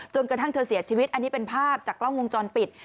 กระทั่งเธอเสียชีวิตอันนี้เป็นภาพจากกล้องวงจรปิด